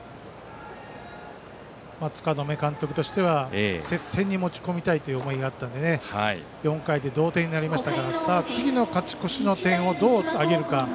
柄目監督としては接戦に持ち込みたいという思いがあったので４回で同点になりましたから次の勝ち越しの点をどう挙げるか。